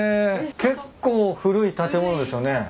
結構古い建物ですよね？